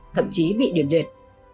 thậm chí bị điển điển